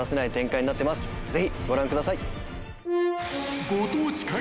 ぜひご覧ください。